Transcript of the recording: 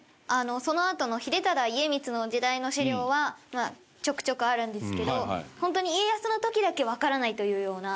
そのあとの秀忠家光の時代の資料はちょくちょくあるんですけど本当に家康の時だけわからないというような。